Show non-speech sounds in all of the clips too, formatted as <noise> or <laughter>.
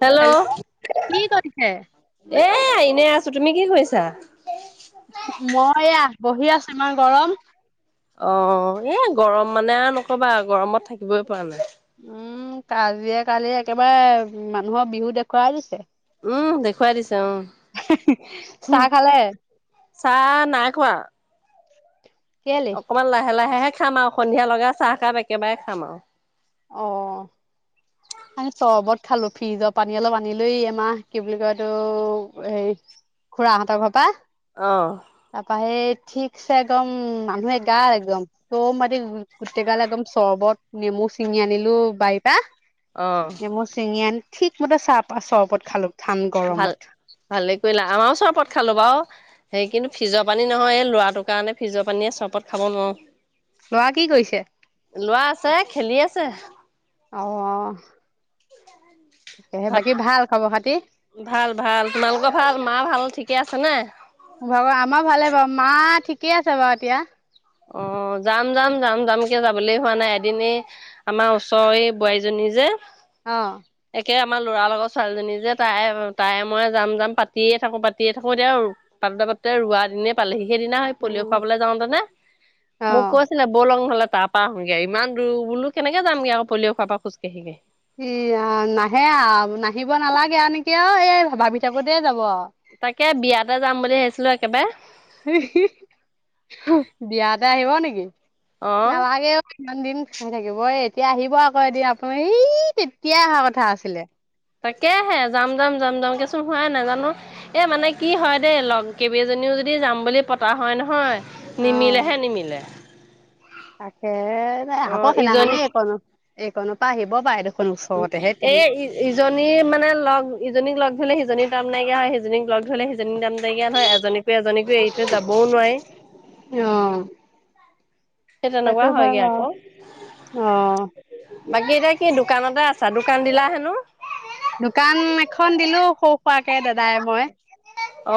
Hello, কি কৰিছে? এ এনে আছো। তুমি কি কৰিছা? মই এয়া বহি আছো ইমান গৰম। অ' এ গৰম মানে আৰু নকবা, গৰমত থাকিবই পৰা নাই। উম' কাজিয়া কালি একেবাৰে মানুহৰ বিহু দেখুৱাই দিছে। উম' দেখুৱাই দিছে। অ' চাহ উম' খালে? চাহ নাই খোৱা। কেলে? অকণমান লাহে-লাহে হে খাম আৰু সন্ধিয়া লগা চাহকাপ একেবাৰে খাম আৰু। অ'হ। এ চৰ্বত খালোঁ, ফ্ৰিজৰ পানী অলপ আনি লৈ এই আমাৰ কি বুলি কয় এইটো হেৰি খুড়াহঁতৰ ঘৰৰ পৰা। অ। তাৰ পৰা সেই ঠিকছে একদম মানুহ এগাল একদম, চ' মাটি গোটেই গাল একদম চৰ্বত নেমু চে চিঙি আনিলোঁ বাৰীপা, অ নেমো চিঙি আনি ঠিকমতে চাপা চৰ্বত খালোঁ। ভাল, ভালে কৰিলা আমাৰো চৰ্বত খালোঁ বাৰু, সেই কিন্তু ফ্ৰিজৰ পানী নহয় এই ল'ৰাটোৰ কাৰণে ফ্ৰিজৰ পানীয়ে চৰ্বত খাব নোৱাৰোঁ। ল'ৰা কি কৰিছে? ল'ৰা আছে খেলি আছে। অ'হ। ভাত, খবৰ খাতি ভাল-ভাল। তোমালোকৰ ভাল? মা ভাল ঠিকে আছে নে? মোৰ ভাগৰ আমাৰ ভালে বাৰু, মা ঠিকেই আছে বাৰু এতিয়া। অ' যাম-যাম-যাম যামকে যাবলৈ হোৱা নাই, এদিন এই আমাৰ ওচৰৰ এই বোৱাৰীজনী নিজে অ'হ। এ' আমাৰ ল'ৰাৰ লগৰ ছোৱালীজনী যে, তাই তাই মই যাম-যাম পাতিয়ে থাকো, পাতিয়েই থাকো এতিয়া লগতে ৰোৱা দিনে পালেহি, সেইদিনা সেই পলিঅ' খুৱাবলৈ যাওঁ তেনে অ মোক কৈছিলে বল লং হ'লে তাৰ পৰা আহোগে ইমান দূৰ বোলো কেনেকে যাম ইয়াৰপা পলঅ' খোৱাৰ পৰা খোজকাঢ়ি কাঢ়ি। ই আই নাহে আৰু নাহিব নালাগে আৰু নেকি অ' এই ভাবি থাকোতেই যাব আৰু তাকে বিয়াতে যাম বুলি ভাবিছিলো। একেবাৰে <unintelligible> বিয়াতে আহিব নেকি? অ নালাগে অ' ইমান দিন চাই থাকিব এই এতিয়া আহিব আকৌ এদিন আপোনাৰ সি তেতিয়াই অহা কথা আছিলে। তাকেহে যাম যাম যাম যামকে চোন হোৱাই নাই জানো এ মানে কি হয় দেই লগ কেইবাজনীও যদি যাম বুলি পতা হয় নহয় নিমিলেহে নিমিলে। তাকেহে নাই অ আকৌ সিদিনাখনি ইজনী এইকন এইকনপা আহিব পাৰে দেখোন। ওচৰতেহে তিনি এই ইজনী মানে লগ ইজনীক লগ ধৰিলে সিজনীৰ তাইম নাইকিয়া হয় সি জনীক লগ ধৰিলে সিজনীক টাইম নাইকীয়া নহয় এজনীকো এজনীকো এৰি থৈ যাবও নোৱাৰি। অহ। সেই তেনেকুৱা হয়গে আকৌ। অ বাকী এতিয়া কি দোকানতে আছা? দোকান দিলা হেনো? দোকান এখন দিলো সৰু হোৱাকে দাদাই মই অ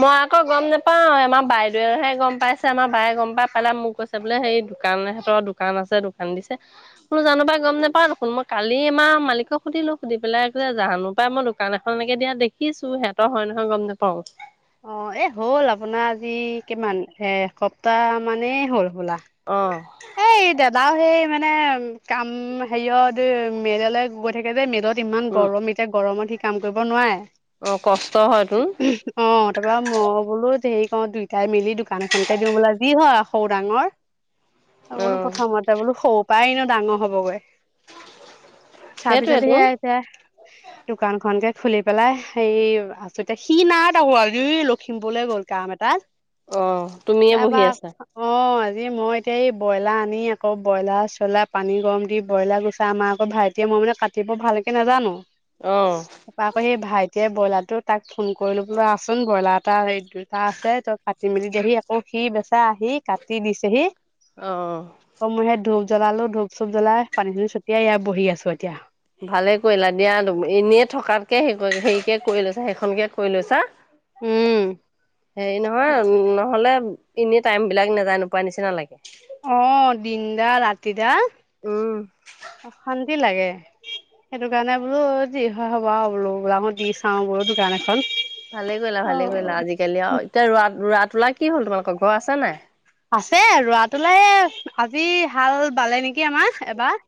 মই আকৌ গম নেপাওঁ৷ আমাৰ বাইদেউৱেহে গম পাইছে আমাৰ বায়ে গম পাই পেলাই মোক কৈছে৷ বোলে সেই দোকান এহঁতৰ দোকান আছে দোকান দিছে৷বোলো জানো পা গম নোপাও দেখোন মই কালি ইমান মালিকক সুধিলো সুধি পেলাই যে জানো পাই মই দোকান এখন দিয়া দেখিছো, সিহঁত হয় নহয় গম নাপাওঁ৷ অ, এ হ'ল আপোনাৰ আজি কিমান এ এসপ্তাহ মানেই হ'ল হ'বলা৷ অ', সেই দাদাও সেই মানে কাম হেৰিয়ত মেদলে গৈ থাকে যে মেদত ইমান উম, গৰম এতিয়া, গৰমত সি কাম কৰিব নোৱাৰে৷ অ', কষ্ট হয় তোন অ', তাৰপৰা ম বোলো ধেৰি অ, দুইটাই মিলি দোকান এখনকে দিওঁ ব'লা, যি হয় আৰু সৰু-ডাঙৰ বোলো অ', প্ৰথমতে বোলো সৌ পৰাই নো ডাঙৰ হবগৈ৷ চাৰ সেইটোৱে পিছত তোন সেয় আছে দোকান খনকে খুলি পেলাই সেই আছোঁ, এতিয়া সি না তাক <unintelligible> লখিমপুৰলৈ গ'ল কাম এটাত অ', তুমিয়ে বহি তাৰপা, আছা অ, আজি মই এতিয়া এই ব্ৰইলাৰ আনি আকৌ ব্ৰইলাৰ চ্ৰলাৰ পানী গৰম দি ব্ৰইলাৰ গুচা আম আকৌ ভাইটিয়ে মই মানে কাটিব ভাল কে নাজানো৷ অ', তাপা আকৌ সেই ভাইটিয়ে ব্ৰইলাৰটো তাক ফোন কৰিলোঁ বোলো আহচোন ব্ৰইলাৰ এটা হেৰি টা আছে তই কাটি মেলি দেহি আকৌ সি বেচা আহি কাটি দিছেহি আকৌ মই সেই অ', ধূপ জ্বলালো, ধূপ-চুপ জ্বলাই, পানী-দুনী চটিয়াই এয়া বহি আছোঁ এতিয়া৷ ভালে কৰিলা দিয়া, এনেই থকাতকে হেৰিকে কৰি লৈছা সেইখনকে কৰি লৈছা উম, হেৰি নহয়, নহ'লে এনেই টাইম বিলাক নেযায়-নুপুয়াই নিচিনা লাগে। অ', দিনডাল, ৰাতিডাল, উম অশান্তি লাগে ৷ সেটো কাৰণে বোলো যি হয় হব আও বোলো৷ বোলো দি চাওঁ বোলো দোকান এখন। ভালে কৰিলা, ভালে অ' কৰিলা আজিকালি আৰু এতিয়া ৰোৱাত ৰোৱাত তোলা কি হ'ল তোমালোকৰ? ঘৰ আছে নাই? আছে ৰোৱা-তোলা এ আজি হাল বালে নেকি? আমাৰ, এবাৰ,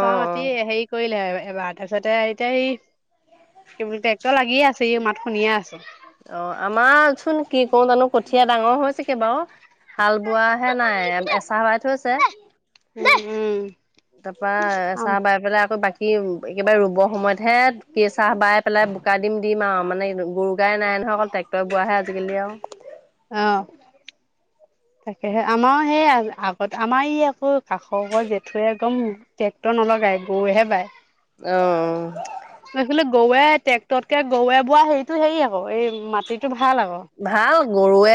অ অ মাটি হেৰি কৰিলে আৰু এইবাৰ তাৰপিছতে এতিয়া এই কি বুলি ট্ৰেক্টৰ লাগিয়ে আছে, ই মাত শুনিয়ে আছোঁ ৷ অ', আমাৰ চোন কি কৰো জানো কঠীয়া ডাঙৰ হৈছেগে বাৰু ৷ হাল বোৱা হে নাই, এচা বাই থৈছে। উম উম তাৰপৰা আম চাহ বাই পেলাই আকৌ বাকী একেবাৰে ৰুব সময়তহে কি চাহ বাই পেলাই বোকা দিম দিম আৰু মানে গৰু গাই নাই নহয় অকল ট্ৰেক্টৰ বোৱাহে আজিকালি আৰু। অ <inaudible> তাকেহে, আমাৰ সেই আগত আমাৰ ই আকৌ কাষৰ ঘৰৰ জেঠুৱে একদম ট্ৰেক্টৰ নল গাই, গৰুহে বাই। অ', এইফালে গৰুৱে ট্ৰেক্টৰতকে গৰুৱে বোৱা হেইটো হেৰি আকৌ এই মাটিতো ভাল আকৌ ভাল গৰুৱে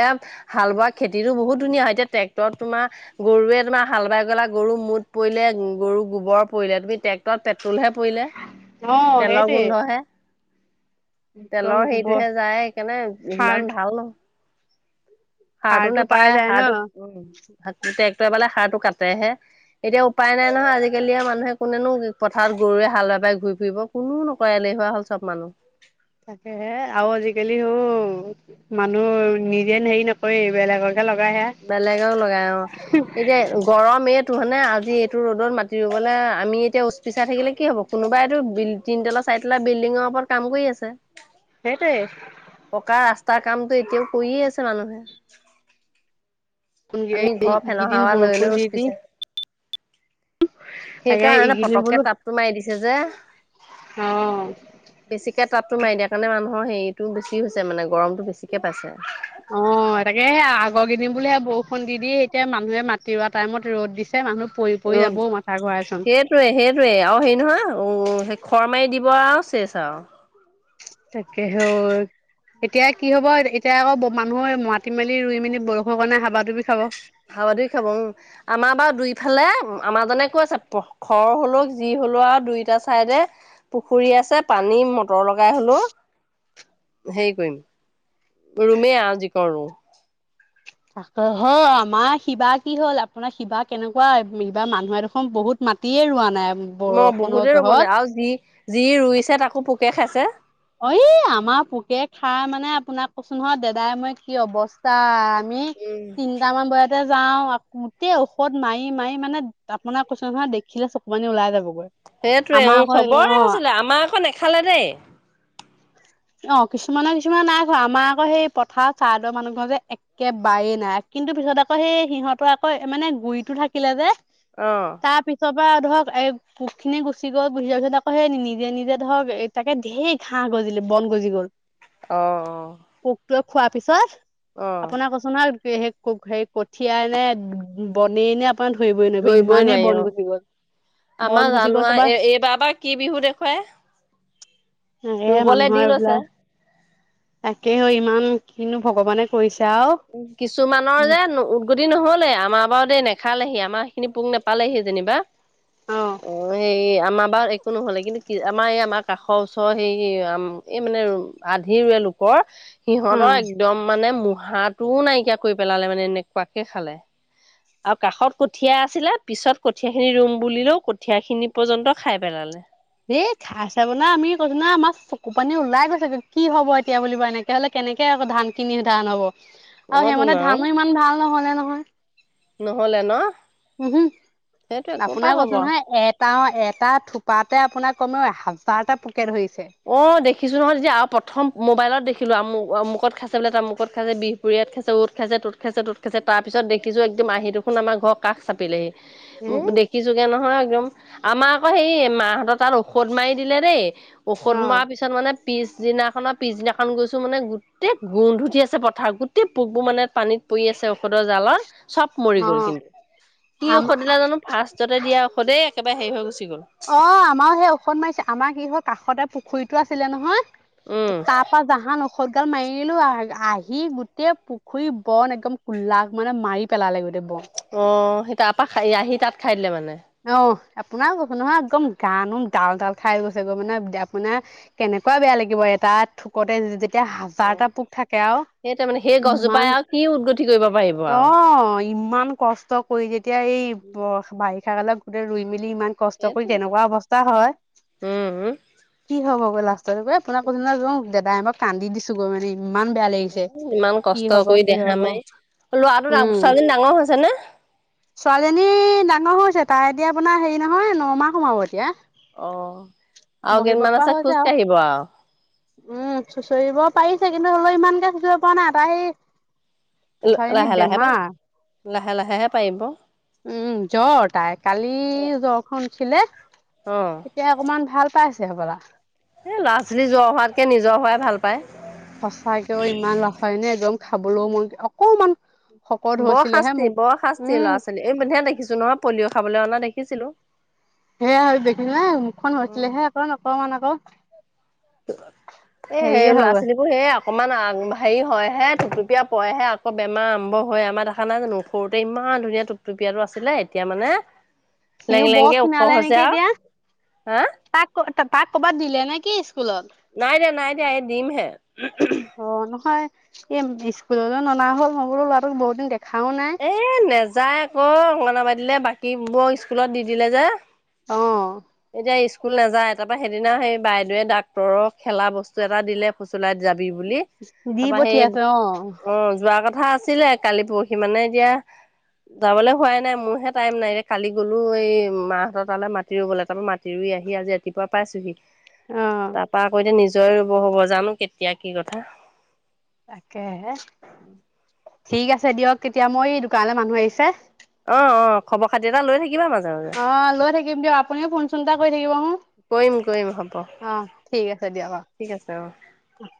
হাল বোৱা খেত খেতিটো বহুত ধুনীয়া হয়, এতিয়া ট্ৰেক্টৰত তোমাৰ গৰুৱে তোমাৰ হাল বাই পেলা গৰু মুত পৰিলে গৰু গোবৰ পৰিলে, তুমি ট্ৰেক্টৰত পেট্ৰলহে পৰিলে, অ তেলৰ সেইটোৱে গোন্ধহে। একদম তেলৰ গোবৰ হেৰিটোহে যায়, সেইকাৰণে সাৰ ইমান ভাল নহয় সাৰটো পাই নেপায়, যায় সাৰটো, ন ট্ৰেক্টৰে বালে সাৰটো কাটেহে৷ এতিয়া উপায় নাই নহয়, আজিকালি আ, মানুহে কোনেনো পথাৰত গৰুৱে হাল বাই ঘূৰি ফুৰিব কোনো নকৰে। এলেহুৱা হ'ল চব মানুহ। তাকে হে, আৰু আজিকালি অ, মানুহ নিজে হেৰি নকৰে বেলেগৰ বেলেগক লগাই অ', এতিয়া গৰম টো হয়নে আজি এইটো ৰ'দত মাতি ৰুবলে আমি এতিয়া উচ-পিচাই থাকিলে কি হ'ব? কোনোবাইটো <unintelligible> তিন তালা চাইতলা বিল্ডিংৰ ওপৰত কাম কৰি আছে। সেইটোৱে। পকা ৰাস্তাৰ কামটো এতিয়াও কৰিয়ে আছে মানুহে। আমি ঘৰ ফেনৰ এইকেইদিন হাৱা লৈ বৰষুণ লৈ দি উছ দি পিচাই তাকে সেইকাৰণে এইকেইদিন পতককে বোলো তাপটো মাৰি দিছে যে। অ বেছিকে তাপটো মাৰি দিয়াৰ কাৰণে মানুহ ন সেৰিটো বেছি হৈছে মানে গৰমটো বেছিকে পাইছে। অ' তাকে সেই আগৰ কেইদিন বুলে বৰষুণ দি দি, এতিয়া মানুহে মাতি ৰোৱা টাইমত ৰ'দ দিছে। মানুহ পৰি পৰি ৰ যাবও মাথা ঘূৰাইচোন সেইটোৱে সেইটয়ে আৰু হেৰি নহয় উ খৰ মাৰি দিব আৰু চেচ আৰু। তাকে হৰ এতিয়া কি হব এতিয়া আকৌ মানুহে মাতি মেলি ৰুই মেলি বৰষুণ কাৰণে হাবা ধুবি খাব। হাৱ ধ খাব উম আমাৰ বাৰু দুইফালে আমাৰ জনে কৈ আছে খৰ হলেও যি হ হলো আৰু দুইটা চাইডে পুখুৰী আছে পানী মটৰ লগাই হলো হেই কৰিম, ৰুমেই আজি কৰ ৰৰু। হৌ আমাৰ শিবা কি হ'ল আপোনাৰ শিবা কেনেকুৱা কিবাৰ মানুহে দেখোন বহুত মাটিয়ে ৰোৱা নাই। ম বৰষুণৰ বহুতেই ৰুব জহত নাই আৰু যি যি ৰুইছে তাকো পোকে খাইছে। অ' আমাৰ পোকে খাই মানে আপোনাক কছো নহয় দাদাই মই কি অৱস্থা, আমি উম। তিনটামান বজাতে যাও গোটেই ঔষধ মাৰি মাৰি মানে আপোনাক কৈছে নহয় দেখিলে চকু মানি ওলাই যাবগৈ। সেইটোৱে আমাৰ উ আকৌ চবৰে অ হৈছিলে আমাৰক নখালে দেই। অ' কিছুমানৰ কিছুমানে নাই আমাৰ আকৌ সেই পথাৰ চাৰদৰ মানুহ ঘ যে একেবাৰেই নাই। কিন্তু পিছত আকৌ সেই সিহৰ পৰা আকৌ মানে গুৰিতটো থাকিলে যে, অ তাৰ পিছত ৰা ধৰক এ পোক খিনি গুচি গ'ল গুচি যাবছ আকৌ সেই নিজে নিজে ধৰক এ তাকে ধেৰ ঘাঁহ গজিলে। বন গজি গ'ল। আহ। খোৱা পিছত, আপোনাৰ কচোনোন সেই হেৰি কঠিয় নে বন নে ান হৈ বই নোৱাৰবা ধৰিবই ইমানেই নোৱাৰি অ। বন গুচি গ'ল। বন আমাৰ গুচি গ'ল জানোৱা তাৰপা এই এইবাৰ বা কি বিহু দেখুৱাই। হ এ মাম দিলো তাকে হ ইমান কিনো ভগৱানে কৰিছে। আৰু উ কিছুমানৰ উম যে উদগতি নহলে আমাৰ বাৰু দেই নেখালেহি আ আমাৰ স খিনি পোক নাপালেহি যেনিবা, অ' সেই আমাৰ বা একো নহলে কিন্তু কি আমাৰ এই আমাৰ কাষৰ ওচৰৰ হেইম এই মানে আধিৰুৱে লোকৰ উম সিহঁতৰ একদম মানে মঢ়াটোও নাইকিয়া কৰি পেলালে মানে এনেকুৱাকে খালে। আৰু কাষত কঠীয়া আছিলে পিছত কঠিয় খিনি ৰুম বুলিলেও কঠিয় খিনি পৰ্যন্ত খাই পেলালে। এই খাই চাব না আমি কৈছো না আমাৰ চকু পানী ওলাই গৈছে কি হব এতিয়া বুলিবা এনেকে হলে কে তেনেকে আকৌ ধান কিনি ধান হব, অ আৰু তোন সেইমতে আৰু ধানো ইমান ভাল নহলে নহয়। নহলে ন? উম হুম, সেইটো ক'ৰ পৰা আপোনাৰ কৈছ হ'ব নহয় এটা এটা থোপাতে আপোনাৰ কমেও হাজাৰটা ধৰিছে। অ' দেখিছো নহয় তেতিয়া আৰু প্ৰথম মোবাইলত দেখি ো আমু অমুক খাইছে বোলোৰমুকত খাই বিহুৰীয়াত খাইছে উত খাই তত খাইছে তোত খাইছোৰপিত দেখিছো একম মাহী দু খোন আমাৰ ঘৰৰ কাষ এ চাপিলেহি দেখিছোগে নহয় একদম। আমাৰ আকৌ সেই মাহতৰ তাৰ ঔষধ মাৰি দিলে দেই ঔষধ অ মাৰ পিছত মানে পিছদিনাখননৰ পিছদিনাখন গৈছো মানে গোটেই গোন্ধ উঠি আছে পথাৰত গোটেই পোকবোৰ মানে পানীত পৰিু আছে ঔষধৰ জালত। চব মৰি অ গ'ল কিন্তু, কি আম ঔষধ দিলা জানো ফাৰ্ষ্টতে দিয়া ঔষধেই একেবাৰে হেৰি হৈ গৈছে। অ' আমাৰো সেই ঔষধ মাৰিছে আমাৰ কি হয় কাষতে পুখুৰীতটো আছিলে নহয়। উম তাৰ পৰা জাহান ন সতগাল মাৰ দিলো আহ আহি গোটেই পুখুৰীৰ বন একদম কোল্ল মানে মাৰি। পেলালে গোটেই বন অ' সি তাৰপ খ আহি তাত খাই দিলে মানে। অ' আপোনাৰ কৈছে নহয় একদম গানোম ডাল ডাল খাই গৈছে গৈ মানে আপোনাৰ কেনে কুৱাই বেয়া লাগিব এ তাত থোকতে যেতিয়া অ হাজাৰটা পোক থাকে আৰু। সেই তাৰমানে সেই গছজোপাই ইমান, আৰু কি উদগতি কৰিব পাৰিব আৰু অ' ইমান কষ্ট কৰি যেতিয়া এই ব বাৰিষা কালত গোটেই ৰুই মেলি যদি ইমান কষ্ট কৰি তেনেকুৱা অৱস্থা হয়, উম কি হ'ব। গৈ লাষ্টত ঐ ফোনা ফোনি <unintelligible> দাদাই মই কান্দি দিছোঁ গৈ মেলি ইমান কষ্ট কৰি, কি দেহা হ'ব মাৰি ল'ৰাটো, উম, ছাৱালীজনী ডাঙৰ হৈছে নে? ছোৱালীজনী ডাঙৰ হৈছে, তাই এতিয়া আপোনাৰ হেৰি নহয় ন মাহ সোমাব এতিয়া। অ' আৰু বহিব কেইমাহ মাহৰ পৰা পিছত হৈছে আৰু খোজকাঢ়িব আহ উম, চুঁচৰিব পাৰিছে কিন্তু হ'লেও ইমানকে চুঁচৰি পোৱা নাই তাই সেই ছোৱালী জনীৰ লাহে লাহে পাই বেমাৰ লাহে লাহেহে পাৰিব উম, জ্বৰ। তাই কালি জ্বৰখন উঠিলে, অ এতিয়া অকমান ভাল পাইছে হ'বলা। এই ল'ৰা ছোৱালী জৰ হোৱাতকৈ নিজৰ হোৱাই ভাল পায়। সঁচাকেও ইমান ৰখ হয় নে একদম খাবলৈও মই অকমান শকত বৰ হৈছিলেহে শাস্তি, মোক বৰ শাস্তি, উম ল'ৰা ছোৱালী এই মই হেইদিনাখন দেখিছোঁ নহয় পলিঅ' খাবলৈ অনা দেখিছিলোঁ। সেয়া হৈ দেখিলে মুখখন হৈছিলে সে আকৌ অকণমান আকৌ এই সেই হেৰিয়ে হৈ ল'ৰা গ'ল ছোৱালীবোৰ সেই অকনমান আ হেৰি হয়হে টোপুপীয়া পৰেহে আকৌ বেমাৰ আৰম্ভ হয়। আমাৰ দেখা নাই জানোঁ সৰুতে ইমান ধুনীয়া টোপটুপীয়া বিয়েৰো আছিলে, এতিয়া মানে লেং সিও বৰ লেংকে ওখ ক্ষীণালে হৈছে নেকি আৰু এতিয়া হা তাক তাক কৰ'বাত দিলে নেকি? নাই দিয়া, নাই দিয়া, এই দিম হে অ নহয় এই স্কুলতো ননা হ'ল, মই বোলো ল'ৰা বহুত দিন দেখা এই নেযায় আকৌ অগনাবাদিলে বাকী বৌৰ স্কুলত দি দিলে যে আহ এতিয়া স্কুল নাযায়। তাৰপৰা সেইদিনা সেই বাইদেৱে ডাক্তৰৰ খেলা বস্তু এটা দিল ফুচুলাই যাব বুলি দি তাৰপাৰ সেই পঠিয়াইছে অ অ'যোৱা কথা আছিলে কালি পৰহি সি মানে এতিয়া। যাবলৈ হোৱাই নাই মোৰহে টাইম নাই কালি গ'লো এই মাহঁত তালে মাটি ৰুবলৈ তাৰপৰা মাটি ৰুই আহি আজি ৰাতিপুৱা পাইছোঁহি। অ তাৰপাৰ আকৌ এতিয়া নিজৰে ৰুব হ'ব জানোঁ কেতিয়া কি কথা তাকে ঠিক আছে দিয়ক। তেতিয়া মই দোকানৰ মানুহ আহিছে। অ' অ' খবৰ খাতি এটা লৈ থাকিবা মাজে মাজে অ' লৈ থাকিম দিয়ক। আপুনিও ফোন চোন এটা কৰি থাকিব কৰিম কৰিম হ'ব হোন আহ ঠিক আছে দিয়া ঠিক আছে অ বাৰু।